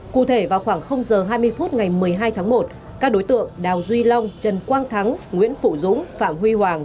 cụ thể vào khoảng h hai mươi phút ngày một mươi hai tháng một các đối tượng đào duy long trần quang thắng nguyễn phụ dũng phạm huy hoàng